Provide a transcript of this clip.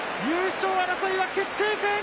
優勝争いは決定戦。